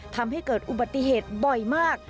ทำให้เกิดอุบัติเหตุบ่อยมาก